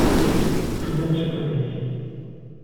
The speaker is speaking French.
Tout le monde se connaît ici.